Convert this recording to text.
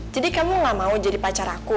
jadi kamu gak mau jadi pacar aku